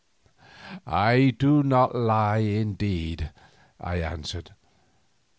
"I do not lie indeed," I answered.